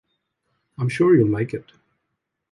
I’m sure you’ll like it.